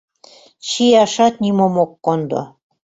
— Чияшат нимом ок кондо...»